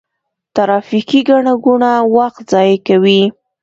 ترافیکي ګڼه ګوڼه وخت ضایع کوي.